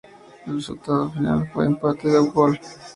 El resultado final fue de empate a un gol.